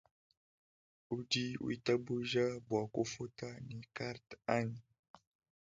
Udi witabuja bua nkufuta ne karte anyi ?